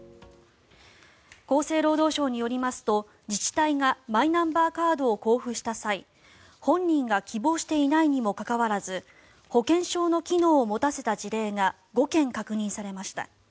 厚生労働省によりますと自治体がマイナンバーカードを交付した際本人が希望していないにもかかわらず保険証の機能を持たせた事例が５件確認されました。